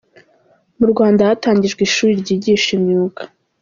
Mu Rwanda hatangijwe ishuri ryigisha imyuga